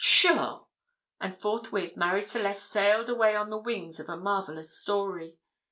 "Sure;" and forthwith Marie Celeste sailed away on the wings of a marvellous story.